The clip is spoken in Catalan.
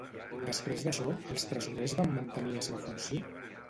Després d'això, els tresorers van mantenir la seva funció?